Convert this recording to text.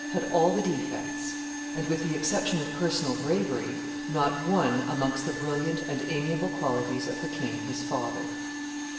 had all the defects, and, with the exception of personal bravery, not one amongst the brilliant and amiable qualities of the king his father.